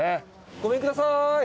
ごめんください。